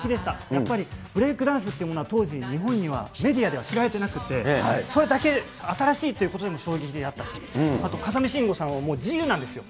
やっぱりブレイクダンスというものは、当時日本には、メディアでは知られてなくて、それだけ新しいということで衝撃であったし、あと、風見しんごさんはもう自由なんですよ。